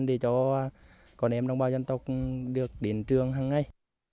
để cho con em đồng bào dân tộc được đến trường hàng ngày